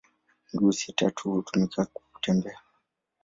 Miguu sita tu hutumika kwa kutembea.